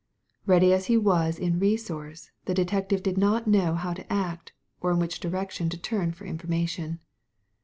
Ready as he was in resource, the detective did not know how to act, or in which direction to turn for information.